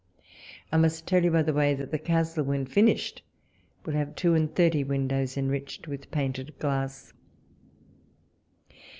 I must tell you by the way, that the castle, when finished, will have two and thirty windows en riched with painted glass.